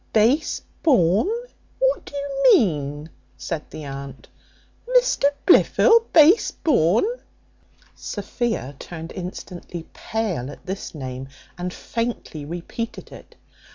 "Base born? What do you mean?" said the aunt, "Mr Blifil base born!" Sophia turned instantly pale at this name, and faintly repeated it.